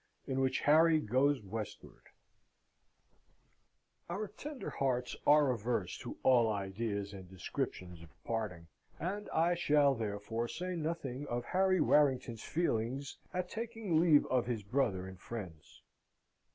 In which Harry goes westward Our tender hearts are averse to all ideas and descriptions of parting; and I shall therefore say nothing of Harry Warrington's feelings at taking leave of his brother and friends.